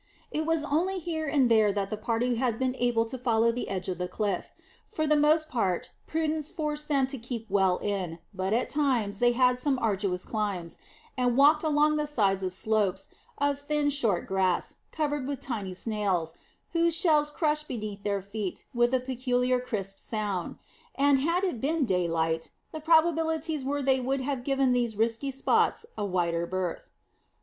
It was only here and there that the party had been able to follow the edge of the cliff. For the most part prudence forced them to keep well in, but at times they had some arduous climbs, and walked along the sides of slopes of thin short grass, covered with tiny snails, whose shells crushed beneath their feet with a peculiar crisp sound; and had it been daylight, the probabilities were that they would have given these risky spots a wider berth.